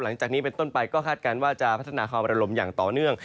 หลังจากนี้เป็นต้นไปก็คาดการณ์ว่าจะพัฒนาความระลมอย่างต่อเนื่อง